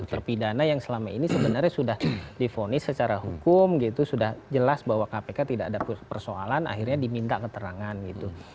terpidana yang selama ini sebenarnya sudah difonis secara hukum gitu sudah jelas bahwa kpk tidak ada persoalan akhirnya diminta keterangan gitu